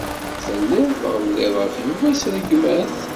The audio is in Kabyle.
Telliḍ tɣelliḍ ɣef Yuba s rregmat.